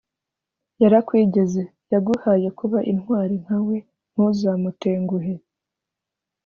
Yarakwigeze: yaguhaye kuba intwari nka we ntuzamutenguhe.